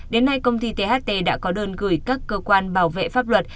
đến nay công ty tht đã có đơn gửi các cơ quan bảo vệ pháp luật